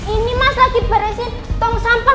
ini mas lagi beresin tong sampah